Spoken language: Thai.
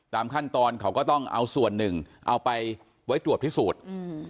ตามขั้นตอนเขาก็ต้องเอาส่วนหนึ่งเอาไปไว้ตรวจพิสูจน์